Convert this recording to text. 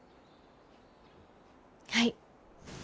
はい。